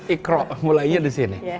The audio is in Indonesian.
ikhro mulainya di sini